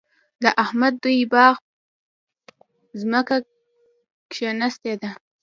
د احمد دوی د باغ ځمکه کېنستې ده.